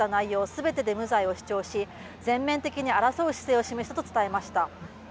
すべてで無罪を主張し、全面的に争う姿勢を示したと伝えました。